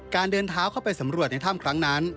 เดินเท้าเข้าไปสำรวจในถ้ำครั้งนั้น